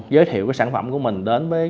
giới thiệu cái sản phẩm của mình đến với